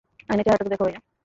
আয়নায় চেহারাটা তো দেখো, ভাইয়া।